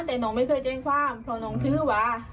แต่หนูไม่เคยแจ้งความเพราะน้องชื่อว่า